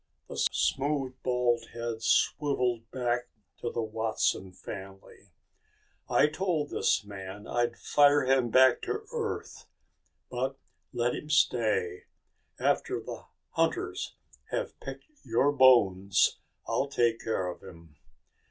The smooth bald head swiveled back to the Watson family. "I told this man I'd fire him back to Earth. But let him stay. After the hunters have picked your bones, I'll take care of him."